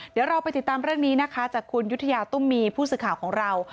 เดี๋ยวเราไปติดตามเรื่องนี้นะคะจากคุณยุธยาตุ้มมีผู้สื่อข่าวของเรา